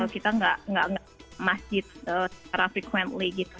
kita nggak masjid secara frequently gitu